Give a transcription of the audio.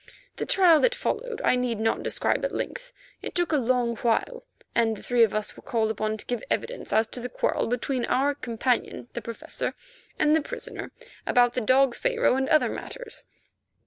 The trial that followed I need not describe at length. It took a long while, and the three of us were called upon to give evidence as to the quarrel between our companion, the Professor, and the prisoner about the dog Pharaoh and other matters.